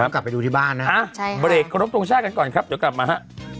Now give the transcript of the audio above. กลับไปดูที่บ้านนะฮะเบรกครบทรงชาติกันก่อนครับเดี๋ยวกลับมาฮะ